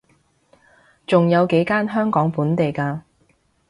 仲有幾間香港本地嘅